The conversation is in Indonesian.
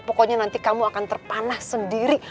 pokoknya nanti kamu akan terpanah sendiri